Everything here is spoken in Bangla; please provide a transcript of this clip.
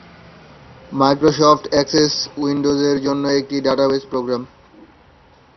মাইক্রোসফট এক্সেস উইন্ডোজের জন্য একটি ডেটাবেজ প্রোগ্রাম।